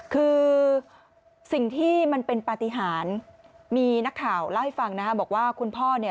คือสิ่งที่มันเป็นปฏิหารมีนักข่าวเล่าให้ฟังนะฮะบอกว่าคุณพ่อเนี่ย